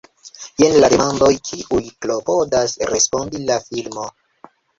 Jen la demandoj kiujn klopodas respondi la filmo.